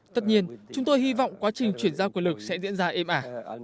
tất nhiên chúng tôi hy vọng quá trình chuyển giao quyền lực sẽ diễn ra êm ả